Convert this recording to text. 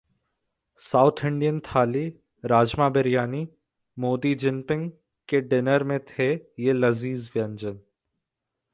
south Indian थाली, राजमा-बिरयानी, मोदी-जिनपिंग के dinner में थे ये लजीज व्यंजन